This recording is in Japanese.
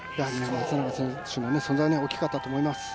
松永選手の存在は大きかったと思います。